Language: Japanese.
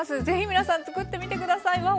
是非皆さん作ってみて下さい。